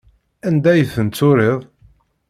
Anda ay ten-turiḍ?